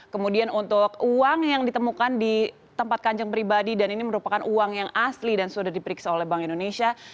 kemudian untuk uang yang ditemukan di tempat kanjeng pribadi dan ini merupakan uang yang asli dan sudah diperiksa oleh bank indonesia